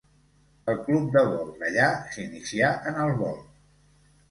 Al Club de Vol d'allà s'inicià en el vol.